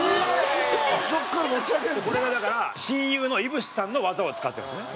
これがだから親友の飯伏さんの技を使ってるんですね。